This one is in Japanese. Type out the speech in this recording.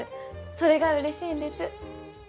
それがうれしいんです。